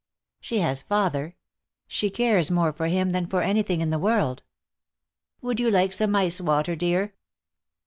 "She has father. She cares more for him than for anything in the world." "Would you like some ice water, dear?"